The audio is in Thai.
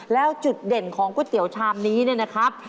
แล้วจุดเด่นของกุ้ตเตี๋ยวชามนี้นะครับ